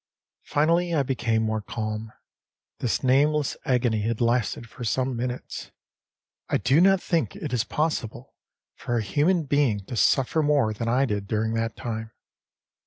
Finally I became more calm; this nameless agony had lasted for some minutes; I do not think it is possible for a human being to suffer more than I did during that time.